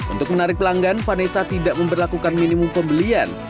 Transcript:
untuk menarik pelanggan vanessa tidak memperlakukan minimum pembelian